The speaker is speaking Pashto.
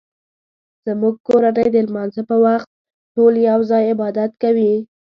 زموږ کورنۍ د لمانځه په وخت ټول یو ځای عبادت کوي